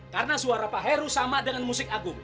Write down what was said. karena suara pak heru sama dengan musik agung